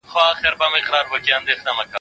ما د سبا لپاره د نوي لغتونو يادونه کړې ده،